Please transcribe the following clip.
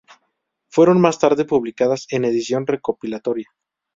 Fueron más tarde publicadas en edición recopilatoria.